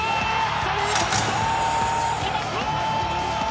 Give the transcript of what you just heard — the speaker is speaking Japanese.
スリーポイント決まった！